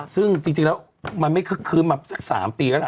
ซึ่งจริงแล้วมันไม่คึกคืนมาสัก๓ปีแล้วล่ะ